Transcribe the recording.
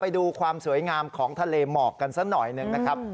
ไปดูความสวยงามของทะเลหมอกันซักหน่อยครับ